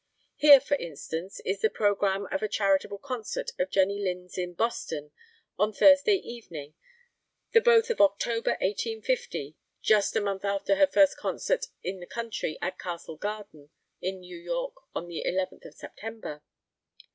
Here, for instance, is the programme of a charitable concert of Jenny Lind's in Boston on Thursday evening, the both of October, 1850, just a month after her first concert in the country at Castle Garden in New York on the 11th of September.